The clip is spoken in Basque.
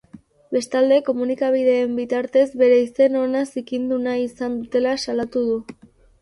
Bestalde, komunikabideen bitartez bere izen ona zikindu nahi izan dutela salatu du.